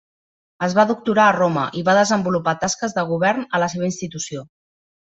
Es va doctorar a Roma i va desenvolupar tasques de govern a la seva institució.